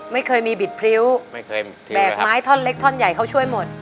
ไม่เคยมีบิดพริ้วไม่เคยแบกไม้ท่อนเล็กท่อนใหญ่เขาช่วยหมด